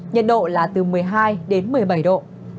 nhiệt độ là từ một mươi hai đến một mươi bảy độ